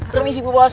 permisi bu bos